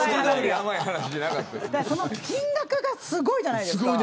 金額がすごいじゃないですか。